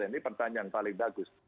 yang ini pertanyaan yang paling bagus